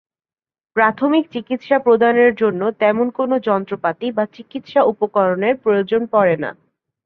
প্রাথমিক চিকিৎসা প্রদানের জন্যে তেমন কোন যন্ত্রপাতি বা চিকিৎসা উপকরণের প্রয়োজন পড়ে না।